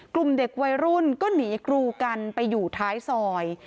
กลุ่มเด็กวัยรุ่นก็หนีกรูกันไปอยู่ท้ายซอย